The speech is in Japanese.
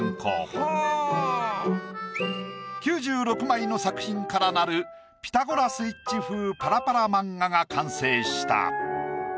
９６枚の作品からなる『ピタゴラスイッチ』風パラパラ漫画が完成した。